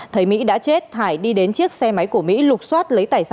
thấy mỹ đã chết hải đi đến chiếc xe máy của mỹ lục xoát